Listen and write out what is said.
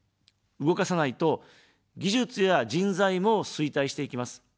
動かさないと、技術や人材も衰退していきます。